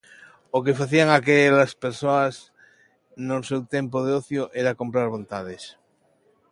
O que facían aquelas persoas no seu tempo de ocio era comprar vontades.